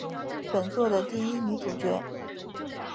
本作的第一女主角。